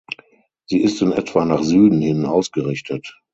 Sie ist in etwa nach Süden hin ausgerichtet.